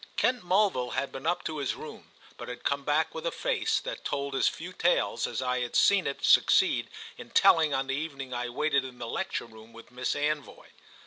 Kent Mulville had been up to his room, but had come back with a face that told as few tales as I had seen it succeed in telling on the evening I waited in the lecture room with Miss Anvoy.